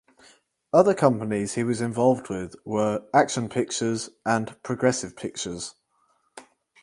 Other companies he was involved with were Action Pictures and Progressive Pictures.